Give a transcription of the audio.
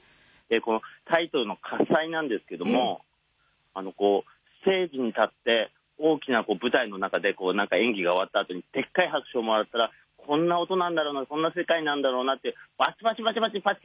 このタイトルの「喝采」なんですけどもステージに立って大きな舞台の中で演技が終わった後にでっかい拍手をもらったらこんな音なんだろうなこんな世界なんだろうなってパチパチパチパチ